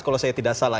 kalau saya tidak salah